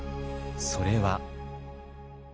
それは。